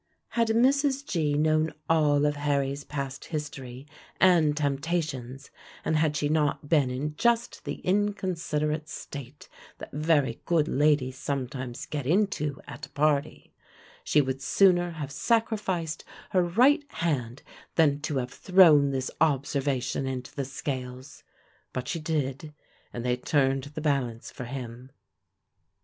Had Mrs. G. known all of Harry's past history and temptations, and had she not been in just the inconsiderate state that very good ladies sometimes get into at a party, she would sooner have sacrificed her right hand than to have thrown this observation into the scales; but she did, and they turned the balance for him.